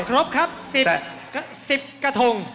ครบครับ๑๐กระทง